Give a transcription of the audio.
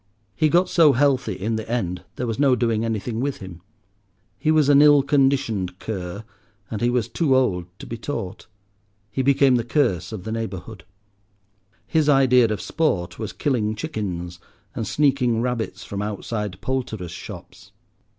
He got so healthy in the end, there was no doing anything with him. He was an ill conditioned cur, and he was too old to be taught. He became the curse of the neighbourhood. His idea of sport was killing chickens and sneaking rabbits from outside poulterers' shops.